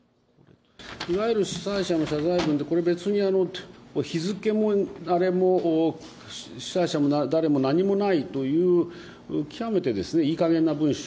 いわゆる主催者の謝罪文って、これ、別に日付もあれも、主催者も誰も何もないという、極めていいかげんな文章。